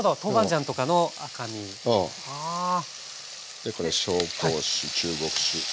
でこれ紹興酒中国酒。